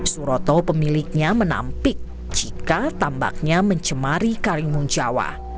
suroto pemiliknya menampik jika tambaknya mencemari karimun jawa